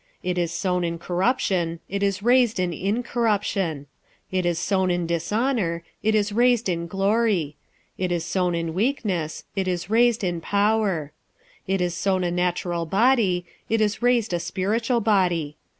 It is sown in corruption; it is raised in incorruption: 46:015:043 It is sown in dishonour; it is raised in glory: it is sown in weakness; it is raised in power: 46:015:044 It is sown a natural body; it is raised a spiritual body.